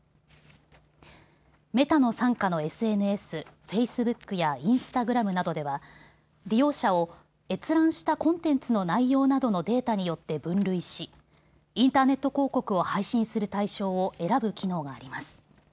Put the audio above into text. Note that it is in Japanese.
メタの傘下のＳＮＳ、フェイスブックやインスタグラムなどでは利用者を閲覧したコンテンツの内容などのデータによって分類しインターネット広告を配信する対象を選ぶ機能があります。